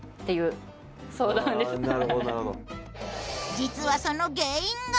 実はその原因が。